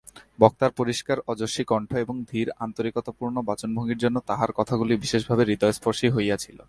বক্তার পরিষ্কার ওজস্বী কণ্ঠ এবং ধীর আন্তরিকতাপূর্ণ বাচনভঙ্গীর জন্য তাঁহার কথাগুলি বিশেষভাবে হৃদয়স্পর্শী হইয়াছিল।